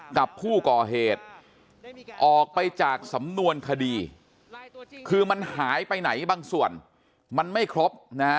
กับผู้ก่อเหตุออกไปจากสำนวนคดีคือมันหายไปไหนบางส่วนมันไม่ครบนะฮะ